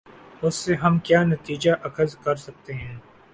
اس سے ہم کیا نتیجہ اخذ کر سکتے ہیں۔